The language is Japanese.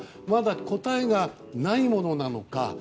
まだ答えがないものなのか。